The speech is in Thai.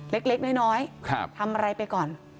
เล็กน้อยทำอะไรไปก่อน